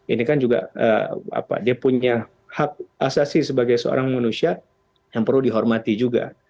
ini kan juga dia punya hak asasi sebagai seorang manusia yang perlu dihormati juga